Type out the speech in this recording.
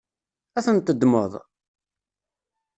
Ad ten-teddmeḍ?